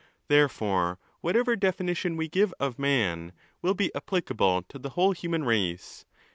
Therefore, whatever definition we give of man, will be applicable to the whole human race.